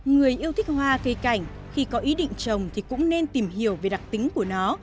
người yêu thích hoa cây cảnh khi có ý định trồng thì cũng nên tìm hiểu về đặc tính của nó